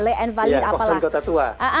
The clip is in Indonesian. di kawasan kota tua